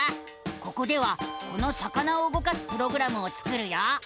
ここではこの魚を動かすプログラムを作るよ！